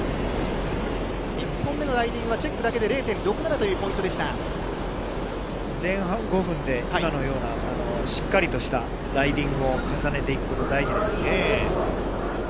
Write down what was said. １本目のライディングはチェックだけで０．６７というポイントで前半５分で今のようなしっかりとしたライディングを重ねていくことが大事ですね。